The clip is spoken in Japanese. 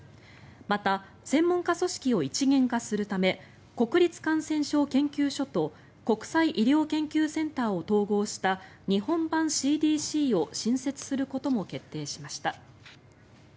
また、専門家組織を一元化するため国立感染症研究所と国際医療研究センターを統合した日本版ＣＤＣを新設することも決定しました。